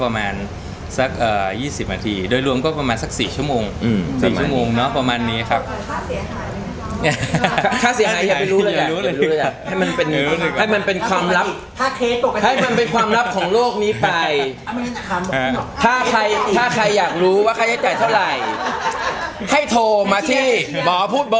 มันมีผลต่องานในอนาคตของเราไหมครับ